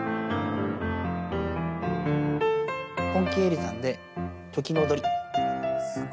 ポンキエッリさんで、時の踊り。